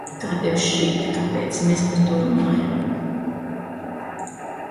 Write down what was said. Kā tev šķiet, kāpēc mēs par to runājam?